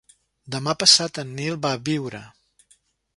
Demà passat en Nil va a Biure.